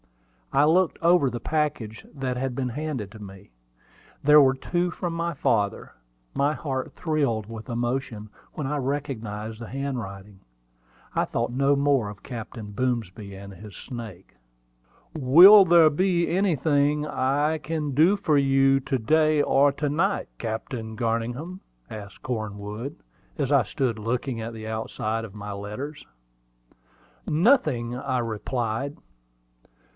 I looked over the package that had been handed to me. There were two from my father. My heart thrilled with emotion when I recognized the handwriting. I thought no more of Captain Boomsby and his snake. "Will there be anything I can do for you to day or to night, Captain Garningham?" asked Cornwood, as I stood looking at the outside of my letters. "Nothing," I replied.